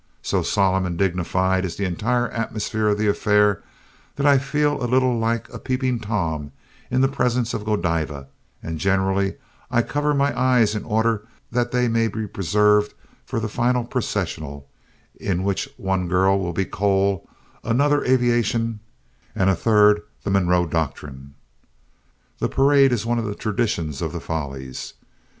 So solemn and dignified is the entire atmosphere of the affair that I feel a little like a Peeping Tom in the presence of Godiva and generally I cover my eyes in order that they may be preserved for the final processional in which one girl will be Coal, another Aviation and a third the Monroe Doctrine. The parade is one of the traditions of the Follies.